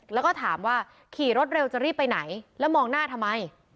แล้วก็ถามว่าขี่รถเร็วจะรีบไปไหนแล้วมองหน้าทำไม